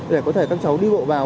để có thể các cháu đi bộ vào